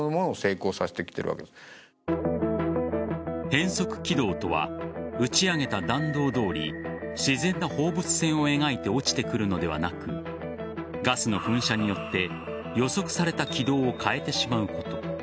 変則軌道とは打ち上げた弾道どおり自然な放物線を描いて落ちてくるのではなくガスの噴射によって予測された軌道を変えてしまうこと。